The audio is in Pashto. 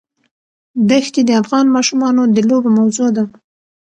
دښتې د افغان ماشومانو د لوبو موضوع ده.